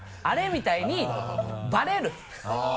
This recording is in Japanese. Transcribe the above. みたいにバレる。